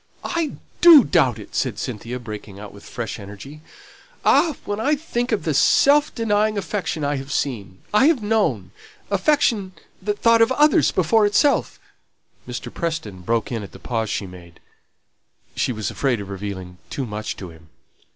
"I do doubt it," said Cynthia, breaking out with fresh energy. "Ah! when I think of the self denying affection I have seen I have known affection that thought of others before itself " Mr. Preston broke in at the pause she made. She was afraid of revealing too much to him.